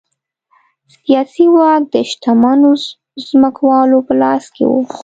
سیاسي واک د شتمنو ځمکوالو په لاس کې و.